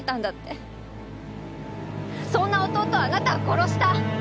そんな弟をあなたは殺した！